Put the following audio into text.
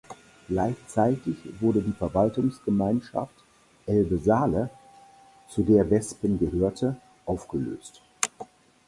Gleichzeitig wurde die Verwaltungsgemeinschaft Elbe-Saale, zu der Wespen gehörte, aufgelöst.